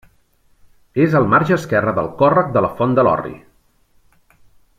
És al marge esquerre del Còrrec de la Font de l'Orri.